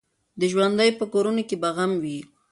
د ژوندیو په کورونو کي به غم وي